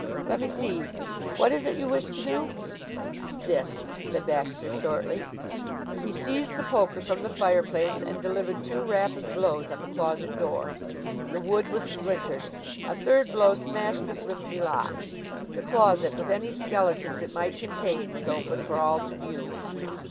Let me see! What is it you wish to do?" "This," said Baxter shortly. He seized the poker from the fireplace and delivered two rapid blows on the closet door. The wood was splintered. A third blow smashed the flimsy lock. The closet, with any skeletons it might contain, was open for all to view.